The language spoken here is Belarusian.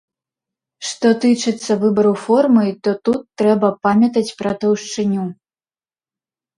Што тычыцца выбару формы, то тут трэба памятаць пра таўшчыню.